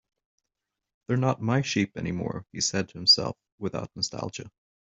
"They're not my sheep anymore," he said to himself, without nostalgia.